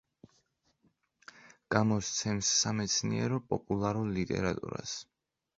გამოსცემს სამეცნიერო პოპულარულ ლიტერატურას.